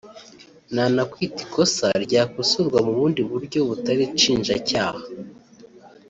nanakwita ikosa ryakosorwa mu bundi buryo butari nshinjabyaha